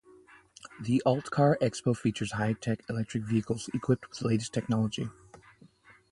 The AltCar Expo features hi-tech electric vehicles equipped with latest technology.